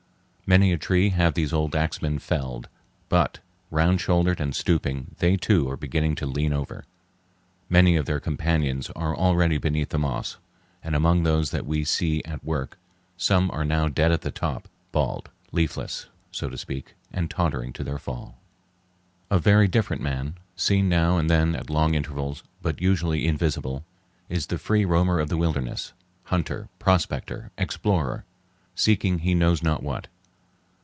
Many a tree have these old axemen felled, but, round shouldered and stooping, they too are beginning to lean over. Many of their companions are already beneath the moss, and among those that we see at work some are now dead at the top (bald), leafless, so to speak, and tottering to their fall. A very different man, seen now and then at long intervals but usually invisible, is the free roamer of the wilderness—hunter, prospector, explorer, seeking he knows not what.